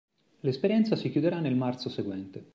L'esperienza si chiuderà nel marzo seguente.